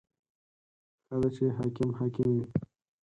• ښه ده چې حاکم حاکم وي.